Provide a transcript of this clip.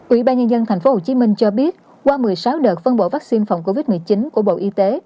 ủy ban nhân dân thành phố hồ chí minh cho biết qua một mươi sáu đợt phân bộ vaccine phòng covid một mươi chín của bộ y tế